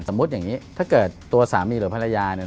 สมมุติอย่างนี้ถ้าเกิดตัวสามีหรือภรรยา